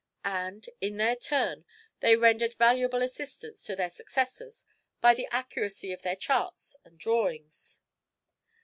And, in their turn, they rendered valuable assistance to their successors by the accuracy of their charts and drawings.